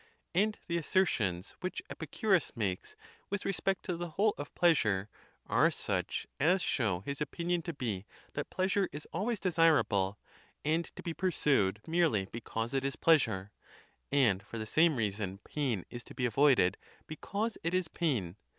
And the assertions which Epicurus makes with respect to the whole of pleasure are such as show his opinion to be that pleasure is always desirable, and to be pursued merely because it is pleasure; and for the same reason pain is to be avoided, because it is pain.